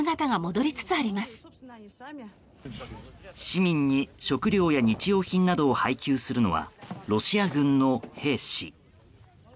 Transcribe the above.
市民に食料や日用品などを配給するのはロシア軍の兵士。